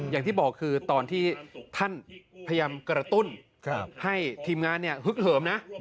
อย่างที่บอกคือตอนที่ท่านพยายามกระตุ้นให้ทีมงานฮึกเหิมนะ